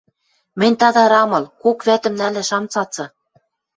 Мӹнь тадар ам ыл, кок вӓтӹм нӓлӓш ам цацы...